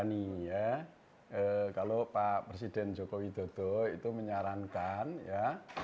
ini ya kalau pak presiden joko widodo itu menyarankan ya